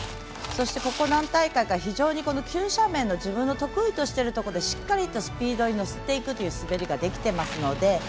そして、ここ何大会か急斜面の自分の得意としているところでしっかりとスピードに乗せていく滑りができていますので。